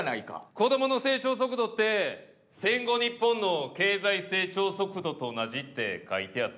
子どもの成長速度って戦後日本の経済成長速度と同じって書いてあったわ。